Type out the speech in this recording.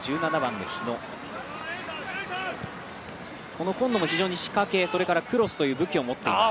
この今野も非常に仕掛けクロスという武器を持っています。